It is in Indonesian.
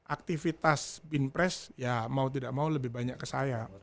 aktivitas bin pres ya mau tidak mau lebih banyak ke saya